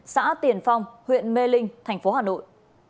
xã tiền phong huyện mê linh thành phố hà nội